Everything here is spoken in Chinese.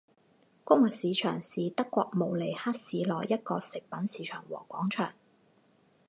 谷物市场是德国慕尼黑市内一个食品市场和广场。